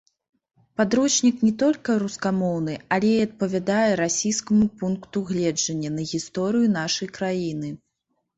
Падручнік не толькі рускамоўны, але і адпавядае расійскаму пункту гледжання на гісторыю нашай краіны.